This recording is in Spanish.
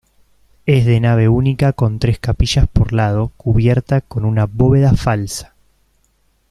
Es de nave única con tres capillas por lado, cubierta con una bóveda falsa.